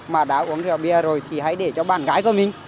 mà đã uống rượu bia rồi thì hãy để cho bạn gái của mình